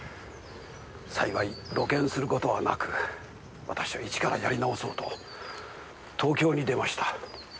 幸い露見する事はなく私は一からやり直そうと東京に出ました。